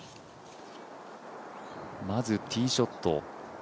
まずティーショット。